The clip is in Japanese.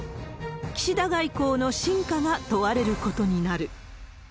岸田外交の真価が問われることになる。